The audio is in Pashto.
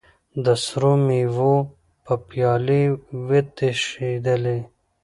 د سرو میو به پیالې وې تشېدلې